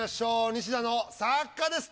西田の「作家」です。